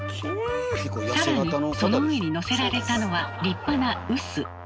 更にその上にのせられたのは立派な臼。